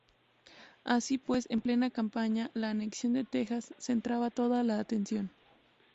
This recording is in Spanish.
Así pues, en plena campaña, la anexión de Texas centraba toda la atención.